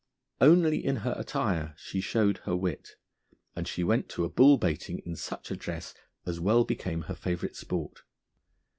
Only in her attire she showed her wit; and she went to a bull baiting in such a dress as well became her favourite sport.